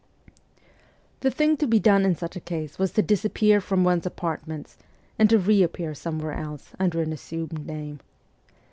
The thing to be done in such a case was to dis appear from one's apartments, and to re appear some where else under an assumed name.